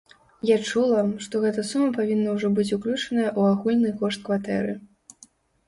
Я чула, што гэта сума павінна ўжо быць уключаная ў агульны кошт кватэры.